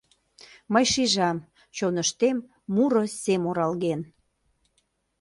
Мый шижам: чоныштем муро сем оралген